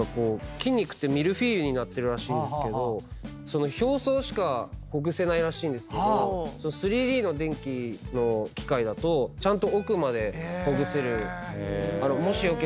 筋肉ってミルフィーユになってるらしいんですけどその表層しかほぐせないらしいんですけど３Ｄの電気の機械だとちゃんと奥までほぐせる。